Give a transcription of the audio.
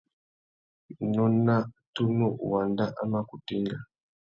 Nôna tunu wanda a mà kutu enga.